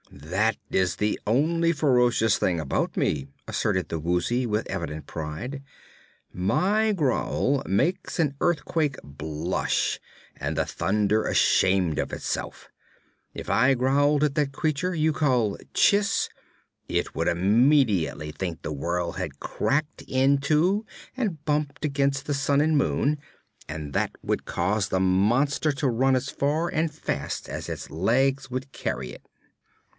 "That is the only ferocious thing about me," asserted the Woozy with evident pride. "My growl makes an earthquake blush and the thunder ashamed of itself. If I growled at that creature you call Chiss, it would immediately think the world had cracked in two and bumped against the sun and moon, and that would cause the monster to run as far and as fast as its legs could carry it."